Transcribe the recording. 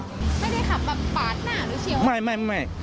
ไม่ได้ขับแบบปากหน้าหรือเชียว